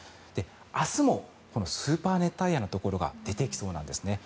明日もこのスーパー熱帯夜のところが出てきそうなんですね。